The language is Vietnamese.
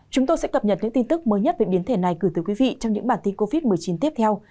chúng tôi sẽ cập nhật những tin tức mới nhất về biến thể này gửi tới quý vị trong những bản tin covid một mươi chín tiếp theo